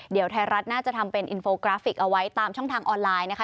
เดี๋ยวไทยรัฐน่าจะทำเป็นอินโฟกราฟิกเอาไว้ตามช่องทางออนไลน์นะคะ